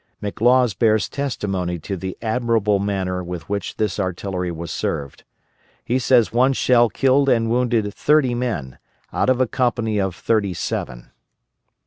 McLaws bears testimony to the admirable manner with which this artillery was served. He says one shell killed and wounded thirty men, out of a company of thirty seven.